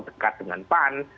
dekat dengan pan